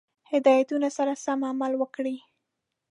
هدایتونو سره سم عمل وکړي.